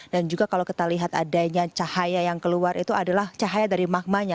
dan juga kalau kita lihat adanya cahaya yang keluar itu adalah cahaya dari magmanya